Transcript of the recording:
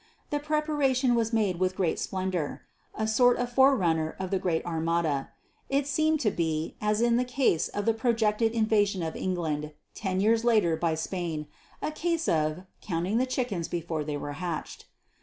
The preparation was made with great splendour a sort of forerunner of the Great Armada. It seemed to be, as in the case of the projected invasion of England ten years later by Spain, a case of "counting the chickens before they were hatched."